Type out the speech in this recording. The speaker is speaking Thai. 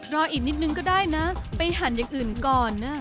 รออีกนิดนึงก็ได้นะไปหั่นอย่างอื่นก่อนนะ